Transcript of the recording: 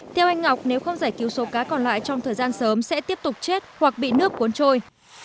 theo anh ngọc nếu không giải cứu số cá còn lại trong thời gian sớm sẽ tiếp tục chết hoặc bị nước cuốn trôi